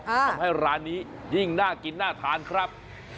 ทำให้ร้านนี้ยิ่งน่ากินน่าทานครับ